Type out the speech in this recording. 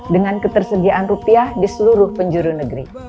dengan ketersediaan rupiah di seluruh penjuru negeri